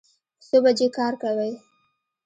څو بجې کار کوئ؟